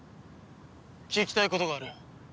聞きたいことがある。